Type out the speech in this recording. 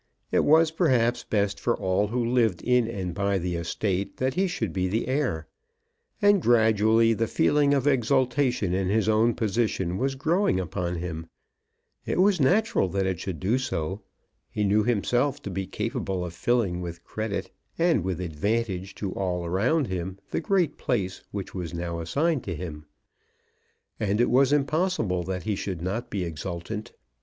It was perhaps best for all who lived in and by the estate that he should be the heir. And gradually the feeling of exultation in his own position was growing upon him. It was natural that it should do so. He knew himself to be capable of filling with credit, and with advantage to all around him, the great place which was now assigned to him, and it was impossible that he should not be exultant.